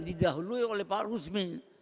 terdiri dahulu oleh pak rusmin